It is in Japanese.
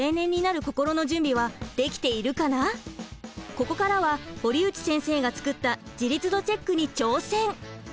ここからは堀内先生が作った自立度チェックに挑戦！